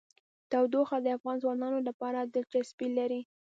تودوخه د افغان ځوانانو لپاره دلچسپي لري.